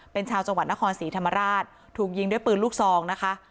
เป็นชาวจังหวัดนครศรีธรรมราชถูกยิงด้วยปืนลูกซองนะคะ